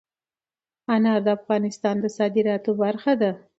انار د افغانستان د صادراتو برخه ده.